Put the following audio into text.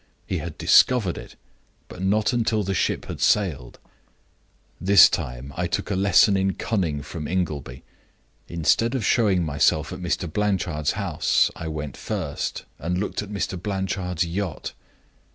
He had discovered it, but not until the ship had sailed. This time I took a lesson in cunning from Ingleby. Instead of showing myself at Mr. Blanchard's house, I went first and looked at Mr. Blanchard's yacht.